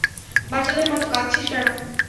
বাচ্চাদের মতো কাঁদছিস কেন?